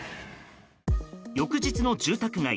翌日の住宅街。